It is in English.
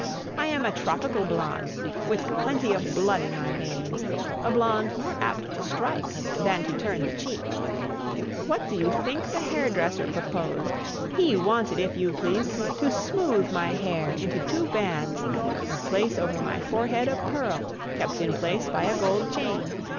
I am a tropical blonde, with plenty of blood in my veins, a blonde more apt to strike than to turn the cheek. What do you think the hairdresser proposed? He wanted, if you please, to smooth my hair into two bands, and place over my forehead a pearl, kept in place by a gold chain!